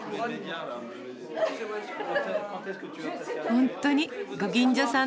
本当にご近所さん